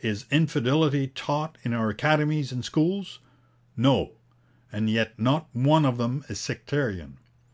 Is infidelity taught in our academies and schools? No; and yet not one of them is sectarian.